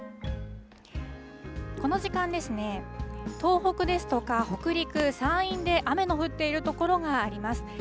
この時間ですね、東北ですとか北陸、山陰で、雨の降っている所があります。